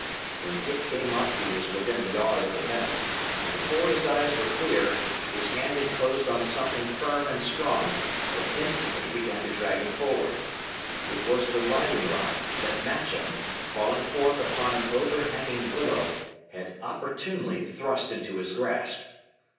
When Dick came up, he was within a yard of the bank; and before his eyes were clear, his hand had closed on something firm and strong that instantly began to drag him forward. It was the riding rod, that Matcham, crawling forth upon an overhanging willow, had opportunely thrust into his grasp.